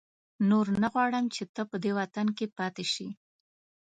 نور نه غواړم چې ته په دې وطن کې پاتې شې.